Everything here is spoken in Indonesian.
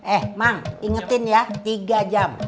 eh mang ingetin ya tiga jam